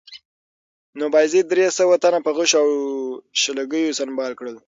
نو بایزید درې سوه تنه په غشو او شلګیو سنبال کړل